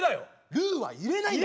ルーは入れないんだ。